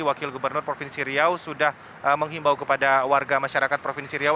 wakil gubernur provinsi riau sudah menghimbau kepada warga masyarakat provinsi riau